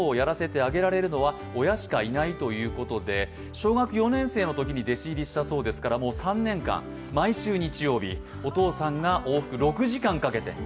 小学４年生の時に弟子入りしたそうですからもう３年間、毎週日曜日お父さんが往復６時間かけて。